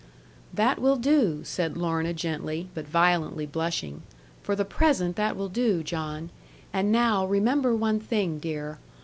'That will do,' said Lorna gently, but violently blushing; 'for the present that will do, John. And now remember one thing, dear.